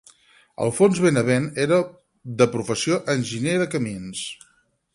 Alfons Benavent era de professió enginyer de camins.